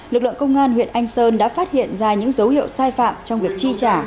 lực lượng công an huyện anh sơn đã phát hiện ra những dấu hiệu sai phạm trong việc chi trả